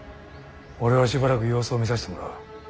俺はしばらく様子を見させてもらう。